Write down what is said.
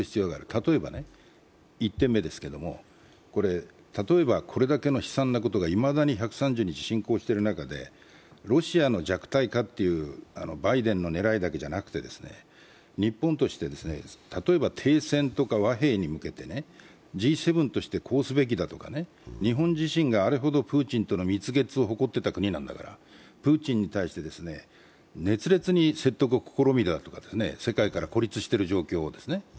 例えば、１点目ですけど、これだけの悲惨なことが、いまだに１３０日進行している中で、ロシアの弱体化というバイデンの狙いだけじゃなくて、日本として例えば停戦とか和平に向けてＧ７としてこうすべきだとか、日本自身があれほどプーチンとの蜜月をしていた国だからプーチンに対して、熱烈に説得を試みたとか、世界から孤立している状況をですね。